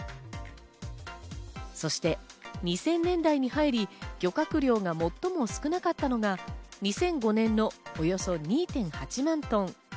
そして２０００年代に入り、漁獲量が最も少なかったのが２００５年のおよそ２．８万トン。